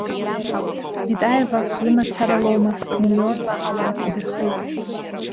Цветаева лымацара лоума, миллионла ауаа ҭадырхеит!